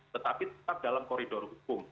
tetapi tetap dalam koridor hukum